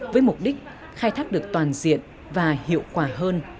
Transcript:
với mục đích khai thác được toàn diện và hiệu quả hơn